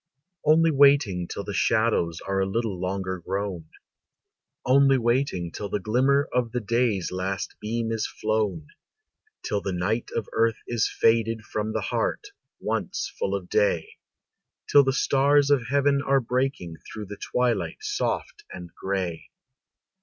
"] Only waiting till the shadows Are a little longer grown, Only waiting till the glimmer Of the day's last beam is flown; Till the night of earth is faded From the heart, once full of day; Till the stars of heaven are breaking Through the twilight soft and gray.